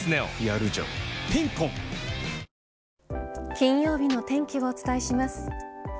金曜日の天気をお伝えします。